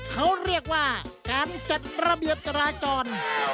เขาเรียกว่าการจัดระเบียบจราจร